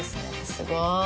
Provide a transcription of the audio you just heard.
すごい！